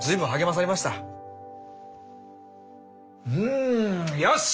うんよし！